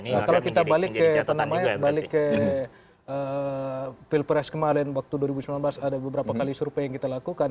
nah kalau kita balik ke pilpres kemarin waktu dua ribu sembilan belas ada beberapa kali survei yang kita lakukan